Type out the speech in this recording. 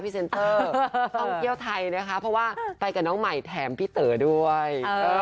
ท่องเที่ยวไทยนะคะเพราะว่าไปกับน้องใหม่แถมพี่เต๋อด้วย